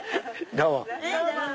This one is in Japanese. どうも。